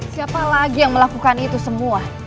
semua orang yang melakukan itu semua